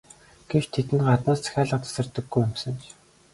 Гэвч тэдэнд гаднаас захиалга тасардаггүй юмсанж.